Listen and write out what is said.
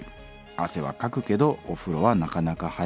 汗はかくけどお風呂はなかなか入れない。